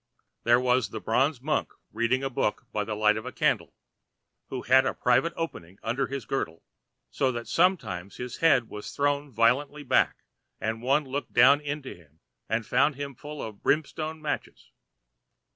There was the bronze monk reading a book by the light of a candle, who had a private opening under his girdle, so that sometimes his head was thrown violently back, and one looked down into him and found him full of brimstone matches.